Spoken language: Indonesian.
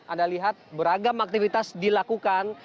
anda lihat beragam aktivitas dilakukan